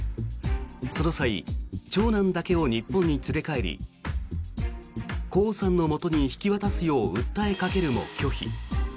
その際長男だけを日本に連れ帰りコウさんのもとに引き渡すよう訴えかけるも拒否。